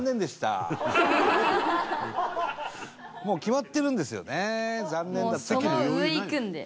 もう決まってるんですよね残念だったね。